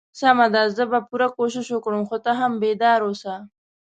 سمه ده زه به پوره کوشش وکړم خو ته هم بیدار اوسه.